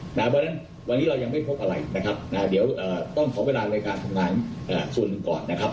เพราะฉะนั้นวันนี้เรายังไม่พบอะไรนะครับเดี๋ยวต้องขอเวลาในการทำงานส่วนหนึ่งก่อนนะครับ